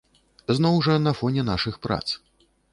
Зноў жа, на фоне нашых прац.